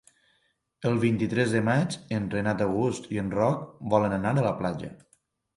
El vint-i-tres de maig en Renat August i en Roc volen anar a la platja.